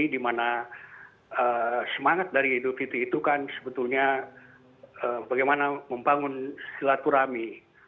dimana semangat dari idul fitri itu kan sebetulnya bagaimana membangun silaturahmi